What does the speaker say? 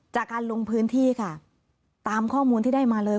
จากการลงพื้นที่ค่ะตามข้อมูลที่ได้มาเลย